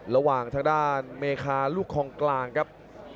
ระหว่างทางด้านเมคาลูกคลองกลางครับ